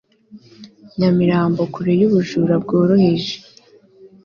nyamirambo kure y'ubujura bworoheje